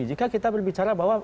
jika kita berbicara bahwa